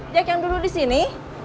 jack yang dulu disini